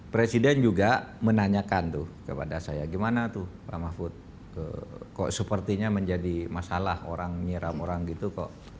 presiden juga menanyakan tuh kepada saya gimana tuh pak mahfud kok sepertinya menjadi masalah orang nyiram orang gitu kok